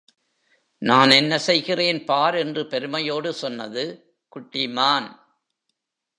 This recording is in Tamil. நான் என்ன செய்கிறேன் பார் என்று பெருமையோடு சொன்னது குட்டி மான்.